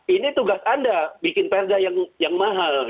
ini tugas anda bikin perda yang mahal